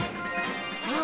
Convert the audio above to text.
そう。